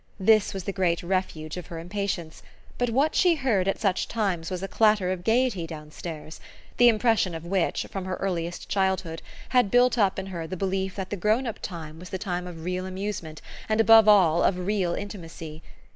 This was the great refuge of her impatience, but what she heard at such times was a clatter of gaiety downstairs; the impression of which, from her earliest childhood, had built up in her the belief that the grown up time was the time of real amusement and above all of real intimacy.